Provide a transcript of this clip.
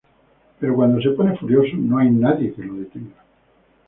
Pero cuando se pone furioso no hay nadie que lo detenga.